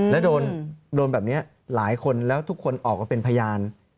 แล้วโดนแบบนี้หลายคนแล้วทุกคนออกมาเป็นพยาน